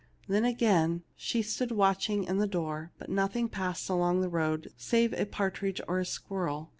Then again she stood watching in the door, but nothing passed along the road save a partridge or a squirrel.